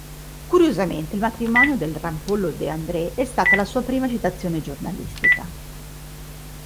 Curiosamente, il matrimonio del rampollo De André è stata la sua prima citazione giornalistica.